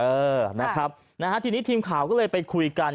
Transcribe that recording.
เออนะครับนะฮะทีนี้ทีมข่าวก็เลยไปคุยกัน